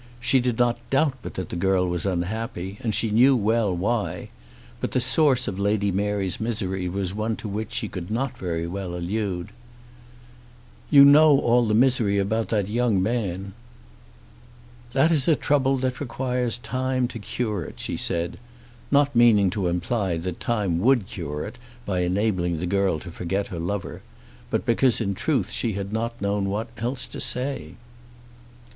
She did not doubt but that the girl was unhappy, and she knew well why; but the source of Lady Mary's misery was one to which she could not very well allude. "You know all the misery about that young man." "That is a trouble that requires time to cure it," she said, not meaning to imply that time would cure it by enabling the girl to forget her lover; but because in truth she had not known what else to say.